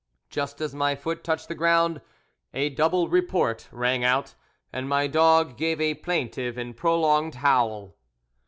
Just as my foot touched the ground a double report rang out, and my dog gave a plaintive and prolonged howl.